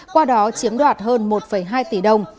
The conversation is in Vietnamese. qua đó chiếm đoạt hơn một hai tỷ đồng